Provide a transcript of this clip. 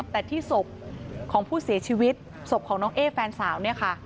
แต่ที่ศพของผู้เสียชีวิตศพของน้องเอ๊ะแฟนสาว